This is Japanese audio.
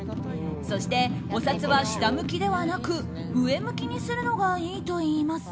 そして、お札は下向きではなく上向きにするのがいいといいます。